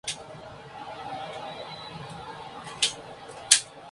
Se graduó de abogado en la Universidad de París, Francia.